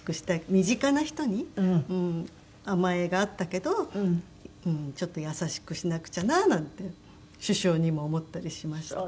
身近な人に甘えがあったけどちょっと優しくしなくちゃななんて殊勝にも思ったりしました。